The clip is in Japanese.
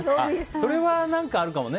それはあるかもね。